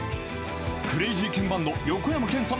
クレイジーケンバンド・横山剣さん